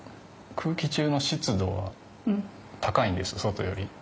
空気中の湿度は高いんです外より。